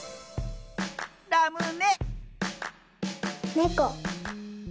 ねこ。